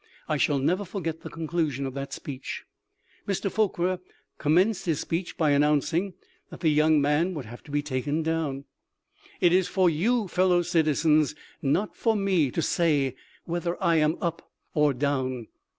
I shall never forget the conclusion of that speech :' Mr. Forquer com menced his speech by announcing that the young man would have to be taken down. It is for you, fellow citizens, not for me to say whether I am up or down.